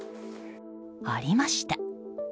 ありました。